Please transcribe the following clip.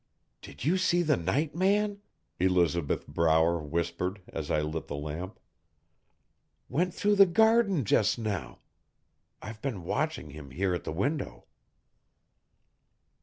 'Did you see the night man?' Elizabeth Brower whispered as I lit the lamp. 'Went through the garden just now. I've been watching him here at the window.'